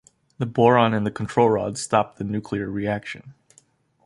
The boron in the control rods stopped the nuclear reaction.